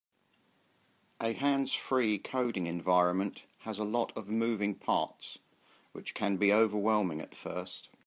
A hands-free coding environment has a lot of moving parts, which can be overwhelming at first.